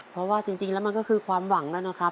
เพราะว่าจริงแล้วมันก็คือความหวังแล้วนะครับ